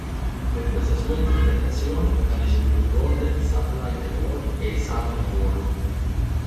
Per questa sua interpretazione ha ricevuto il Golden Satellite Award ed il Saturn Award.